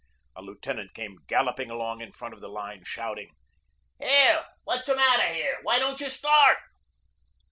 A lieutenant came galloping along in front of the line, shouting: "Here, what's the matter here? Why don't you start?"